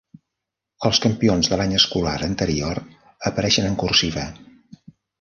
Els campions de l'any escolar anterior apareixen en "cursiva".